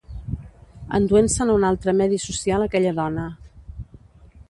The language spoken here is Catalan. Enduent-se'n a un altre medi social aquella dona